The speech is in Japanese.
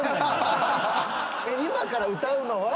今から歌うのは？